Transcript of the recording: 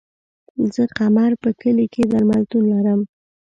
زه قمر په کلي کی درملتون لرم